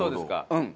うん。